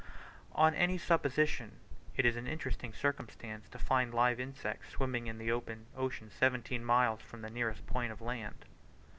On any supposition it is an interesting circumstance to find live insects swimming in the open ocean seventeen miles from the nearest point of land.